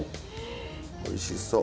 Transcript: おいしそう。